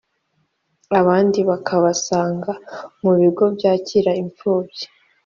abandi bakabasanga mu bigo byakira imfubyi